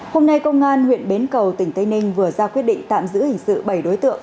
hôm nay công an huyện bến cầu tỉnh tây ninh vừa ra quyết định tạm giữ hình sự bảy đối tượng